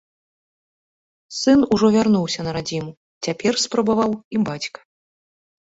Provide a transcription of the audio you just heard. Сын ужо вярнуўся на радзіму, цяпер спрабаваў і бацька.